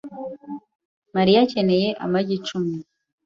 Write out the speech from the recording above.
Mariya akeneye amagi icumi.